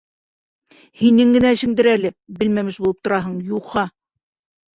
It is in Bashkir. Һинең генә эшеңдер әле, белмәмеш булып тораһың, юха!